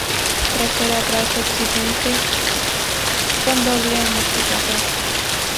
Trasera Brazo oscilante con doble amortiguador.